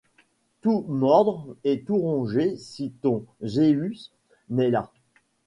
Tout mordre et tout ronger si ton Zéus n’est là